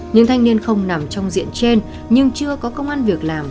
những thanh niên không nằm trong diện trên nhưng chưa có công an việc làm